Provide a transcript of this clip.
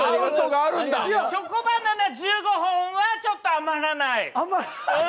チョコバナナ１５本はちょっと余らない。